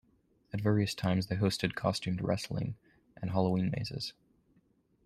At various times they hosted costumed wrestling and Halloween mazes.